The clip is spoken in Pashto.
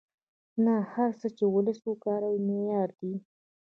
نه هر څه چې وولس وکاروي معیاري دي.